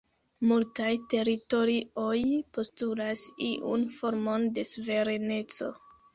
Multaj teritorioj postulas iun formon de suvereneco.